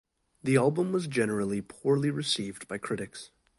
The album was generally poorly received by critics.